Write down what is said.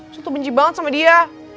acil tuh benci banget sama dia